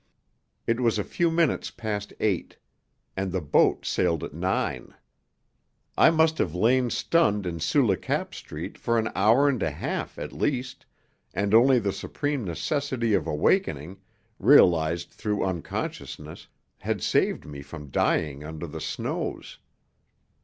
It was a few minutes past eight. And the boat sailed at nine. I must have lain stunned in Sous le Cap Street for an hour and a half, at least, and only the supreme necessity of awakening, realized through unconsciousness, had saved me from dying under the snows.